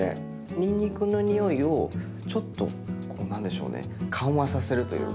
にんにくの匂いをちょっとこう何でしょうね緩和させるというか。